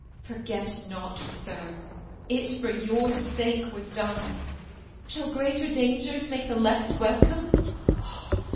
Forget not, sir, It for your sake was done ; shall greater dangers Make the less welcome